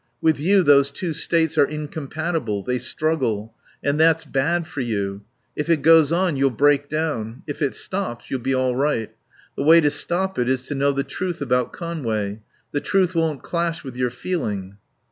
With you those two states are incompatible. They struggle. And that's bad for you. If it goes on you'll break down. If it stops you'll be all right.... The way to stop it is to know the truth about Conway. The truth won't clash with your feeling."